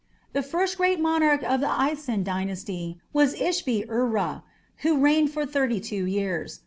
The first great monarch of the Isin dynasty was Ishbi Urra, who reigned for thirty two years.